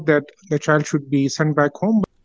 bahwa anak anak harus diberi ke rumah